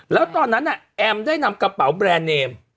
แล้วตอนนั้นแอมได้นำกระเป๋าแบรนด์เนม